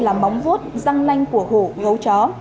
đây là móng vuốt răng nanh của hổ gấu chó